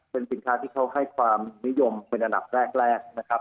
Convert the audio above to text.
เป็นสินค้าที่เขาให้ความนิยมเป็นอันดับแรกนะครับ